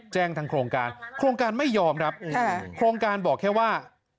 แจ้งทางโครงการโครงการไม่ยอมครับโครงการบอกแค่ว่า